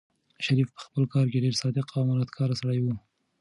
شریف په خپل کار کې ډېر صادق او امانتکار سړی و.